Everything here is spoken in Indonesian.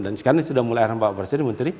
dan sekarang sudah mulai orang mbak desi dan menteri